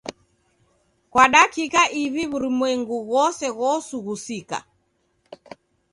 Kwa dakika iw'I w'urumwengu ghose ghosughusika.